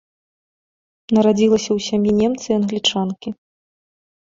Нарадзілася ў сям'і немца і англічанкі.